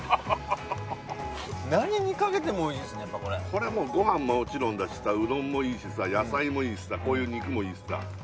これご飯はもちろんだしさうどんもいいしさ野菜もいいしさこういう肉もいいしさ。